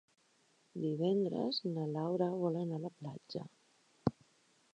Divendres na Laura vol anar a la platja.